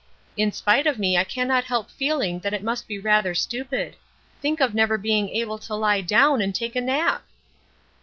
In spite of me I cannot help feeling that it must be rather stupid; think of never being able to lie down and take a nap!"